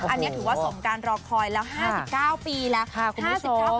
อันนี้ถือว่าสมการรอคอยแล้ว๕๙ปีแล้วค่ะคุณผู้ชม